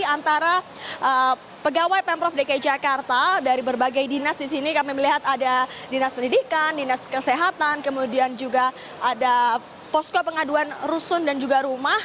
antara pegawai pemprov dki jakarta dari berbagai dinas di sini kami melihat ada dinas pendidikan dinas kesehatan kemudian juga ada posko pengaduan rusun dan juga rumah